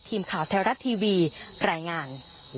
ทีมข่าวแท้รัฐทีวีไหล่งาน